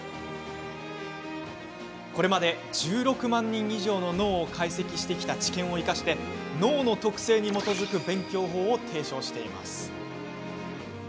これまで１６万人以上の脳を解析してきた知見を生かして脳の特性に基づく勉強法を提唱しています。